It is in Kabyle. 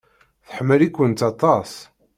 Tḥemmel-ikent aṭas.